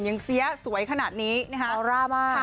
ยังเซี้ยสวยขนาดนี้ต้องราให้หล่อมา